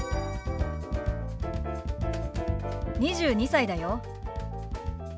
２２歳だよ。